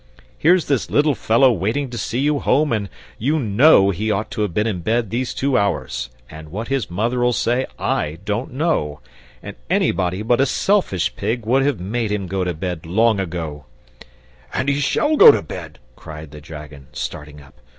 "Here's this little fellow waiting to see you home, and you KNOW he ought to have been in bed these two hours, and what his mother'll say I don't know, and anybody but a selfish pig would have MADE him go to bed long ago " "And he SHALL go to bed!" cried the dragon, starting up.